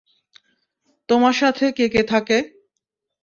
তোমার সাথে কে কে থাকে?